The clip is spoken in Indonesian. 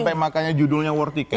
sampai makanya judulnya war ticket